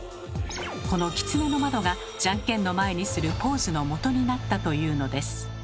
この「狐の窓」がじゃんけんの前にするポーズのもとになったというのです。